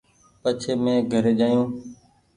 پڇي مين گھري آيو ۔